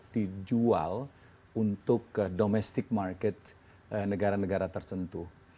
dijual untuk domestic market negara negara tertentu